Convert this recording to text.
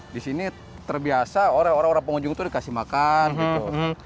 di sini terbiasa orang orang pengunjung itu dikasih makan gitu